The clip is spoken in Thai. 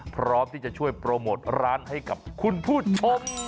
พร้อมที่จะช่วยโปรโมทร้านให้กับคุณผู้ชม